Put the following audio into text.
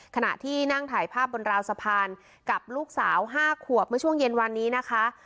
ขณะที่นั่งถ่ายภาพบนราวสะพานกับลูกสาว๕ขวบเมื่อช่วงเย็นวันนี้นะคะ